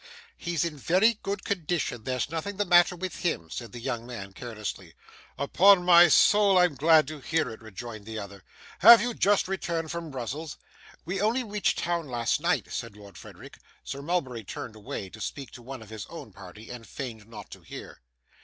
'He's in very good condition; there's nothing the matter with him,' said the young man carelessly. 'Upon my soul I'm glad to hear it,' rejoined the other. 'Have you just returned from Brussels?' 'We only reached town late last night,' said Lord Frederick. Sir Mulberry turned away to speak to one of his own party, and feigned not to hear.